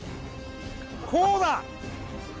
こうだ！